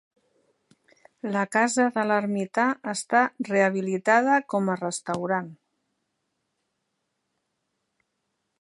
La casa de l'ermità està rehabilitada com a restaurant.